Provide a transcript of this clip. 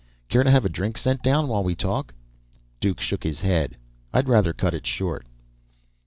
Care to have a drink sent down while we talk?" Duke shook his head. "I'd rather cut it short."